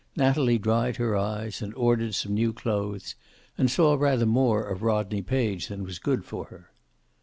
Natalie dried her eyes and ordered some new clothes, and saw rather more of Rodney Page than was good for her.